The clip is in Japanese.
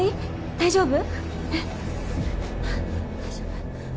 大丈夫。